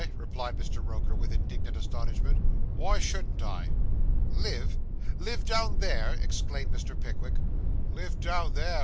replied Mr. Roker, with indignant astonishment; 'why shouldn't I?' 'Live! live down there!' exclaimed Mr. Pickwick. 'Live down there!